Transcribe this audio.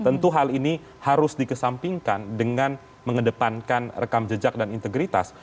tentu hal ini harus dikesampingkan dengan mengedepankan rekam jejak dan integritas